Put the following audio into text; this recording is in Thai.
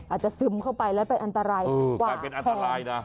อาจจะซึมเข้าไปแล้วเป็นอันตรายกว่าแทน